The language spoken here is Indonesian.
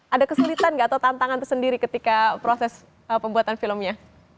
ada kesulitan nggak atau tantangan tersendiri ketika proses pembuatan filmnya